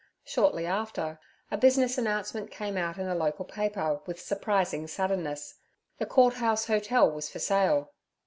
Shortly after a business announcement came out in the local paper with surprising suddenness—the Court House Hotel was for sale.